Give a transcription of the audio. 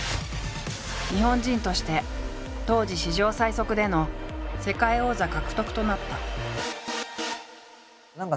日本人として当時史上最速での世界王座獲得となった。